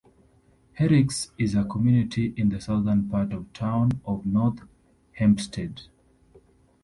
Herricks is a community in the southern part of Town of North Hempstead.